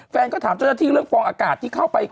แฟนก็ถามเจ้าหน้าที่เรื่องฟองอากาศที่เข้าไป